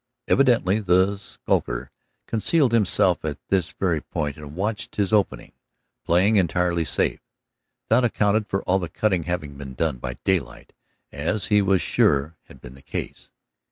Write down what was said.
Evidently the skulker concealed himself at this very point and watched his opening, playing entirely safe. That accounted for all the cutting having been done by daylight, as he was sure had been the case.